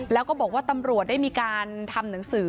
แล้วก็บอกว่าตำรวจได้มีการทำหนังสือ